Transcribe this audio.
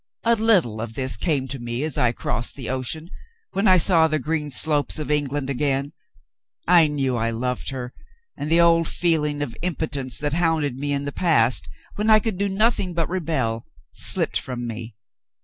"A little of this came to me as I crossed the ocean, when I saw the green slopes of England again. I knew I loved her, and the old feeling of impotence that hounded me in the past, when I could do nothing but rebel, slipped from me.